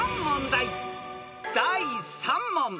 ［第３問］